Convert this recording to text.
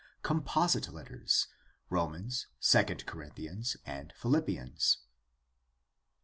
Composite letters: Romans, II Corinthians, and Philip pians.